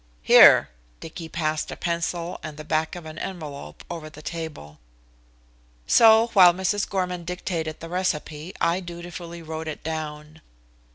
"Here," Dicky passed a pencil and the back of an envelope over the table. So, while Mrs. Gorman dictated the recipe, I dutifully wrote it down.